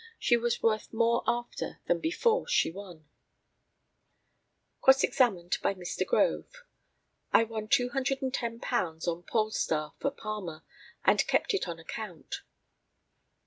She was worth more after than before she won. Cross examined by Mr. GROVE: I won £210 on Polestar for Palmer, and kept it on account.